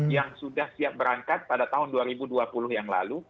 yang sudah siap berangkat pada tahun dua ribu dua puluh yang lalu